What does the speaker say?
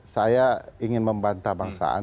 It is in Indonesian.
saya ingin membanta bangsaan